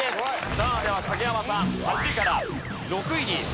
さあでは影山さん８位から６位に上がる。